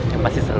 yang pasti seru